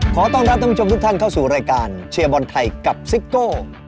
ขอต้อนรับท่านผู้ชมทุกท่านเข้าสู่รายการเชียร์บอลไทยกับซิโก้